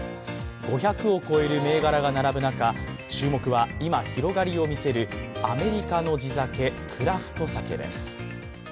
５００を超える銘柄が並ぶ中注目は今、広がりを見せるアメリカの地酒・クラフト酒です。